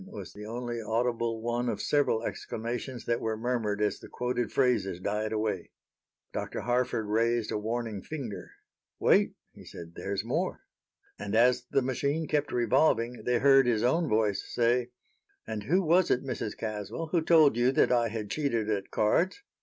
was the only audible one of several exclamations that were murmured as the quoted phrases died away. Dr. Harford raised a warning finger. "Wait," he said; "there's more." And as the machine kept revolving they heard his own voice say: "And who was it, Mrs. Caswell, who told you that I had cheated at cards?"